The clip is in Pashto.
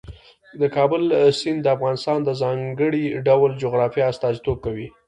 د کابل سیند د افغانستان د ځانګړي ډول جغرافیه استازیتوب کوي.